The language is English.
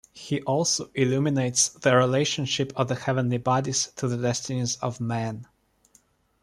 He also illuminates the relationship of the heavenly bodies to the destinies of men.